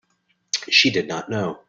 She did not know.